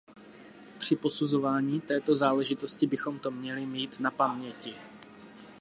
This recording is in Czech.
Při posuzování této záležitosti bychom to měli mít na paměti.